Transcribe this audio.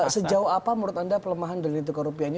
sejauh apa menurut anda pelemahan dari nilai tukar rupiah ini